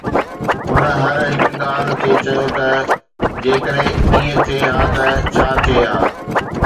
هن هر هڪ ڳالهه تي چيو ته جيڪڏهن ائين ٿئي ها ته ڇا ٿئي ها